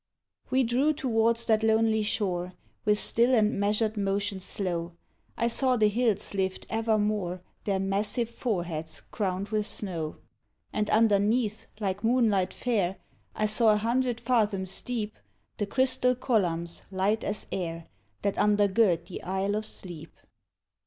We drew towards that lonely shore, With still and measured motion slow, I saw the hills lift evermore Their massive foreheads crowned with snow, And underneath, like moonlight fair, I saw a hundred fathoms deep, The crystal columns light as air That undergird the Isle of Sleep.